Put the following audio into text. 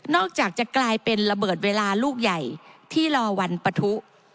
อกจากจะกลายเป็นระเบิดเวลาลูกใหญ่ที่รอวันปะทุ